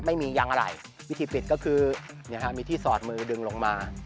ไม่มียังอะไรวิธีปิดก็คือมีที่สอดมือดึงลงมา